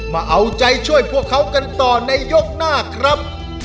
มาเอาใจช่วยพวกเขากันต่อในยกหน้าครับ